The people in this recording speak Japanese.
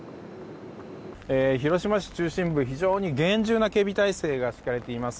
広島市中心部非常に厳重な警備態勢が敷かれています。